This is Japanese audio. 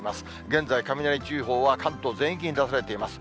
現在、雷注意報は関東全域に出されています。